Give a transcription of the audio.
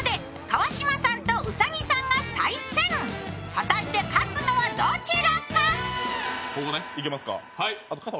果たして、勝つのはどちらか？